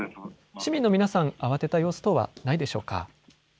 市民の皆さん、慌てた様子等はないでしょうか。